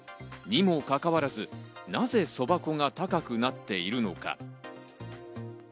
にもかかわらず、なぜ蕎麦粉が高くなっているのか？